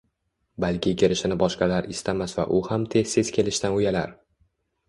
balki kirishini boshqalar istamas va u ham tez-tez kelishdan uyalar?!